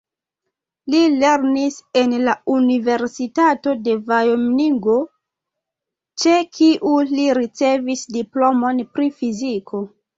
Li lernis en la Universitato de Vajomingo, ĉe kiu li ricevis diplomon pri fiziko.